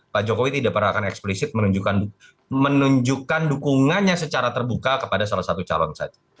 pak jokowi tidak pernah akan eksplisit menunjukkan dukungannya secara terbuka kepada salah satu calon saja